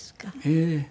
ええ。